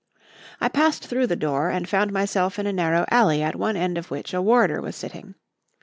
I passed through the door and found myself in a narrow alley at one end of which a warder was sitting.